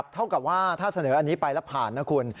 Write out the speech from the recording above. เท่ากับว่าถ้าเสนออันนี้ไปแล้วผ่านนะคุณ